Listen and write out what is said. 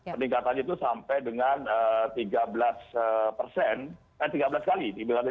peningkatan itu sampai dengan tiga belas persen eh tiga belas kali